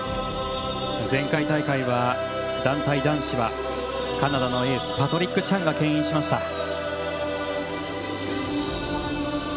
前回大会は団体男子はカナダのエースパトリック・チャンがけん引しました。